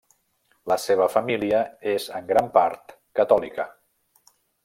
La seva família és en gran part catòlica.